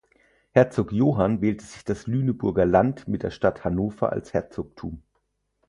Herzog Johann wählte sich das Lüneburger Land mit der Stadt Hannover als Herzogtum.